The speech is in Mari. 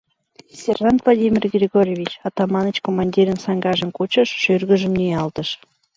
— Сержант, Владимир Григорьевич, — Атаманыч командирын саҥгажым кучыш, шӱргыжым ниялтыш.